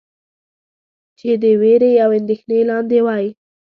چې د وېرې او اندېښنې لاندې وئ.